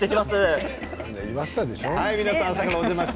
言わせたんでしょう？